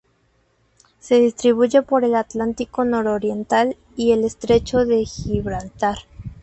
Se distribuye por el Atlántico nororiental y el estrecho de Gibraltar.